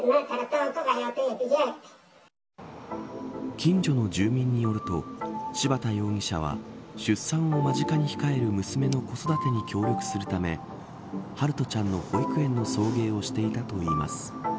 近所の住民によると柴田容疑者は出産を間近に控える娘の子育てに協力するため陽翔ちゃんの保育園の送迎をしていたといいます。